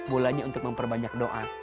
bulannya untuk memperbanyak doa